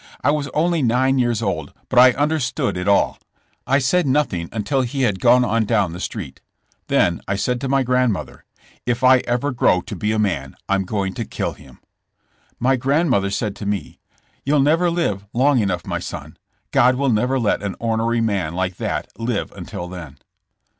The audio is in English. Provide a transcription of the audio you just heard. I was only nine years old but I understood it all. I said nothing until he had gone on down the street. Then I said to my grandmother: *'If ever I grow to be a man I'm going to kill him." My grandmother said to me :'' You Tl never live long enough my son; God will never let an onery man like that live until then."